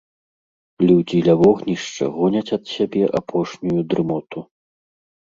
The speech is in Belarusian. Людзі ля вогнішча гоняць ад сябе апошнюю дрымоту.